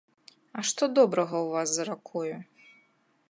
А што добрага ў вас за ракою?